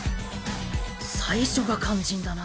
最初が肝心だな。